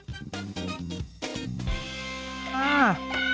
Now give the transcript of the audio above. มา